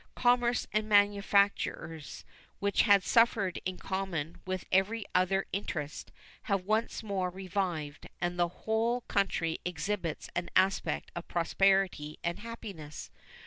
Commerce and manufactures, which had suffered in common with every other interest, have once more revived, and the whole country exhibits an aspect of prosperity and happiness.